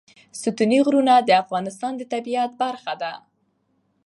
ستوني غرونه د افغانستان د طبیعت برخه ده.